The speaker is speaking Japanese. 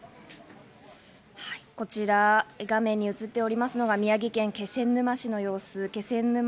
こちら画面に映っておりますのが、宮城県気仙沼市の様子。